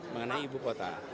mengenai ibu kota